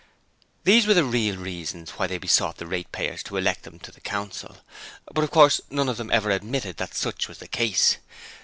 These were the real reasons why they besought the ratepayers to elect them to the Council, but of course none of them ever admitted that such was the case.